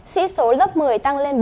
sĩ số lớp một mươi tăng lên bốn mươi